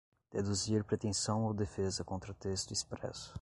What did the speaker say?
deduzir pretensão ou defesa contra texto expresso